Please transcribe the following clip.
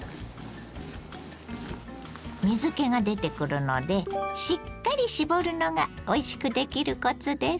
水けが出てくるのでしっかり絞るのがおいしくできるコツです。